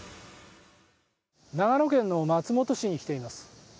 長野県の松本市に来ています。